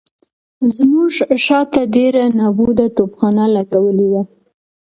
زموږ شاته ډېره نابوده توپخانه لګولې وه.